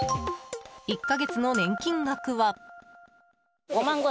１か月の年金額は。